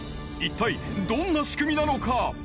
一体どんな仕組みなのか？